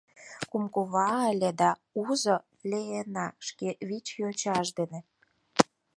— Кум кува ыле да Узо-Леэна шке вич йочаж дене.